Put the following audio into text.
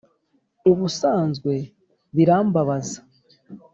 ubusanzwe birambabaza.